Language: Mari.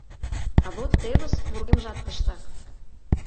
А вот тевыс вургемжат тыштак.